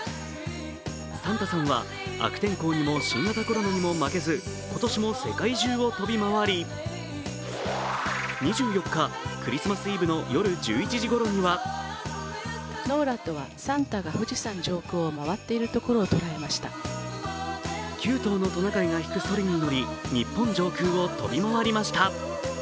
サンタさんは悪天候にも新型コロナにも負けず今年も世界中を飛び回り２４日、クリスマスイブの夜１１時ごろには９頭のトナカイが引くそりに乗り日本上空を飛び回りました。